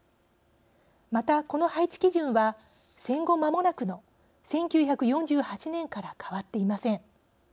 また、この配置基準は戦後まもなくの１９４８年から変わっていません。